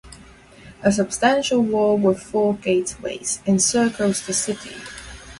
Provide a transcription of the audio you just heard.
A substantial wall with four gateways encircles the city.